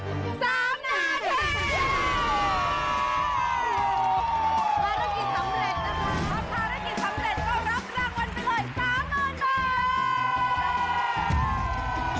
ถ้ารักษณ์สำเร็จก็รับรางวัลไปเลย๓นาที